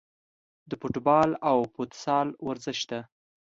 د فوټبال او فوتسال ورزش ته